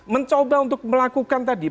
mencoba untuk melakukan tadi